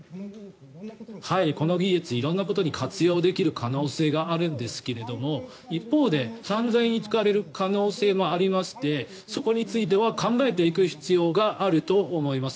この技術色んなことに活用できる可能性があるんですが一方で、犯罪に使われる可能性もありましてそこについては考えていく必要があると思います。